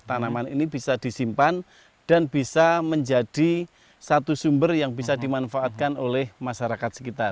tanaman ini bisa disimpan dan bisa menjadi satu sumber yang bisa dimanfaatkan oleh masyarakat sekitar